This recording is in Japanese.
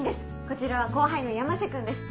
こちらは後輩の山瀬君です。